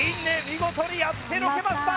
見事にやってのけました！